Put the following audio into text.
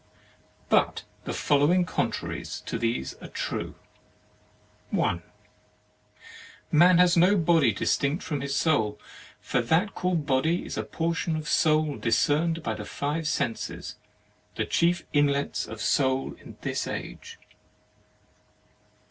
But the following contraries to these are true :— 1 . Man has no Body distinct from his Soul. For that called Body is a por tion of Soul discerned by the five senses, the chief inlets of Soul in this age.